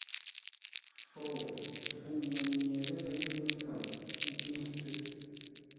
Fou fûŋ mənye ləghěi mətsəm ńkə́itə́.